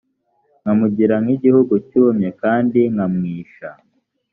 nkamugira nk igihugu cyumye kandi nkamwisha